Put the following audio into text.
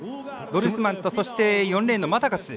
ドルスマンとそして４レーンのマタカス。